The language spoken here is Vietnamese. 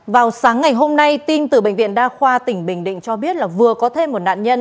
vào sáng ngày hôm nay tin từ bệnh viện đa khoa tỉnh bình định cho biết là vừa có thêm một nạn nhân